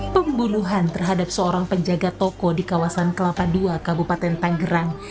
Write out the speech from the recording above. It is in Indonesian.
pembunuhan terhadap seorang penjaga toko di kawasan kelapa ii kabupaten tanggerang